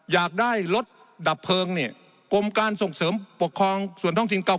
อยากได้รถดับเพลิงเนี่ยกรมการส่งเสริมปกครองส่วนท้องถิ่นเก่า